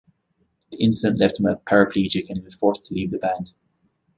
The incident left him a paraplegic and he was forced to leave the band.